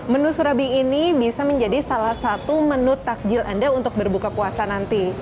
menu surabi ini bisa menjadi salah satu menu takjil anda untuk berbuka puasa nanti